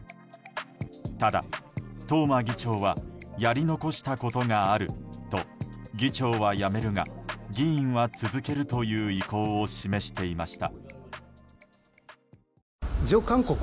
ただ、東間議長はやり残したことがあると議長は辞めるが議員は続けるという意向を示していました。